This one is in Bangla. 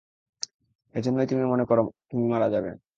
এজন্যই তুমি মনে করো তুমি মারা যাবে?